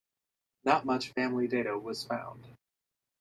Not much family data was found.